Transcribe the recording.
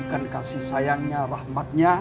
ikan kasih sayangnya rahmatnya